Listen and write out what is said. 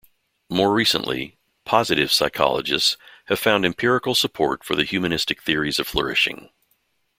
More recently, "positive" psychologists have found empirical support for the humanistic theories of flourishing.